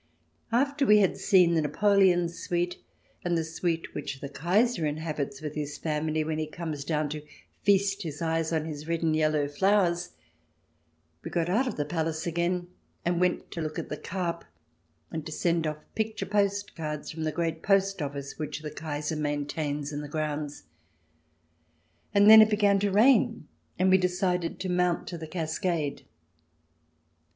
After we had seen the Napoleon suite and the suite which the Kaiser inhabits with his family when he comes down to feast his eyes on his red and yellow flowers, we got out of the palace again and went to look at the carp and to send off" picture post cards from the great post office which the Kaiser maintains in the grounds ; and then it began to rain and we decided to mount to the cascade. 206 THE DESIRABLE ALIEN [ch.